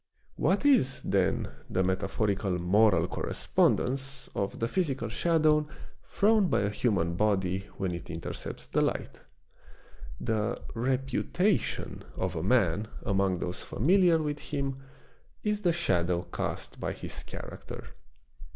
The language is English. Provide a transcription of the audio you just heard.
What is, then, the metaphorical moral correspondence of the physical shadow thrown by a human body when it intercepts the light } The reputation of a man among those familiar with him is the shadow cast by his character.